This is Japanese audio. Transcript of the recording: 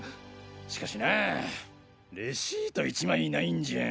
しかしなぁレシート１枚ないんじゃ。